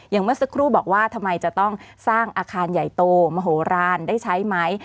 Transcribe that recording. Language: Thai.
เมื่อสักครู่บอกว่าทำไมจะต้องสร้างอาคารใหญ่โตมโหลานได้ใช้ไหม